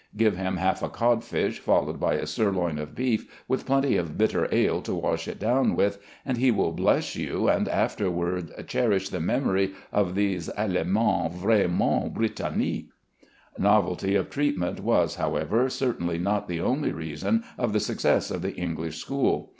Give him half a codfish followed by a sirloin of beef, with plenty of bitter ale to wash it down with, and he will bless you and afterward cherish the memory of these alimens vraiment Britanniques. Novelty of treatment was, however, certainly not the only reason of the success of the English school.